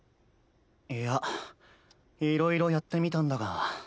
いやいろいろやってみたんだが。